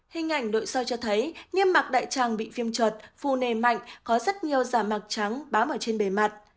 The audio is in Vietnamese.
hình ảnh nội soi cho thấy niêm mạc đại tràng bị phim trợt phù nề mạnh có rất nhiều giả mạc trắng bám ở trên bề mặt